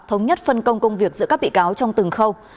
thống nhất phân công công việc giữa các bị cáo trong từng khâu